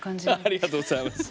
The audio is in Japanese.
ありがとうございます。